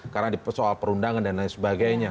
karena di soal perundangan dan lain sebagainya